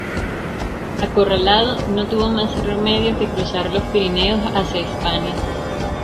Acorralado, no tuvo más remedio que cruzar los Pirineos hacia Hispania.